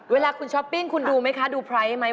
เวลาคุณช้อปปิ้งคุณดูไหมคะดูไพรส์ไหม